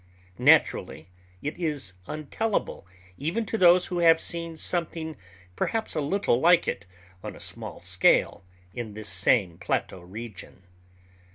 Naturally it is untellable even to those who have seen something perhaps a little like it on a small scale in this same plateau region.